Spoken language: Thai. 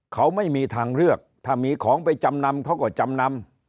เขาไม่มีทางเลือกถ้ามีของไปจำนำเขาก็จำนำ